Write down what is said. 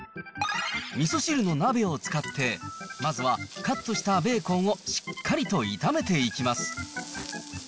みそ汁の鍋を使って、まずはカットしたベーコンをしっかりと炒めていきます。